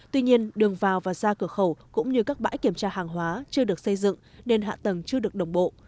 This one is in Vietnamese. tuy nhiên đường vào và ra cửa khẩu cũng như các bãi kiểm tra hàng hóa chưa được xây dựng nên hạ tầng chưa được đồng bộ